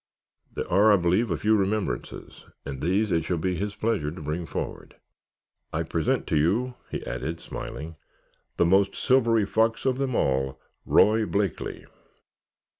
"There are, I believe, a few remembrances and these it shall be his pleasure to bring forward. I present to you," he added, smiling, "the most silvery fox of them all, Roy Blakeley."